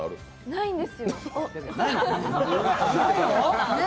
ないんですよ。